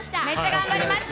頑張りました！